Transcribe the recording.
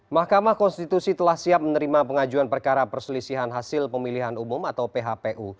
mahkamah konstitusi telah siap menerima pengajuan perkara perselisihan hasil pemilihan umum atau phpu